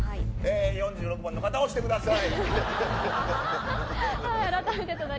４６番の方押してください。